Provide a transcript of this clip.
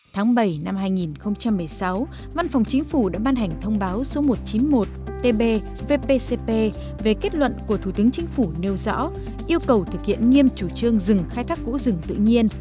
tháng bảy năm hai nghìn một mươi sáu văn phòng chính phủ đã ban hành thông báo số một trăm chín mươi một tb vpcp về kết luận của thủ tướng chính phủ nêu rõ yêu cầu thực hiện nghiêm chủ trương rừng khai thác củ rừng tự nhiên